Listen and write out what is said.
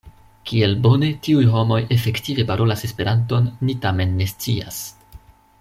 Kiel bone tiuj homoj efektive parolas Esperanton ni tamen ne scias.